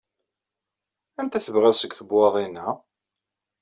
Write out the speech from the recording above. Anta tebɣiḍ seg tbewwaḍin-a?